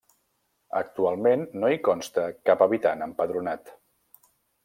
Actualment no hi consta cap habitant empadronat.